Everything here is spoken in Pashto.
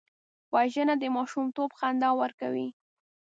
وژنه د ماشومتوب خندا ورکوي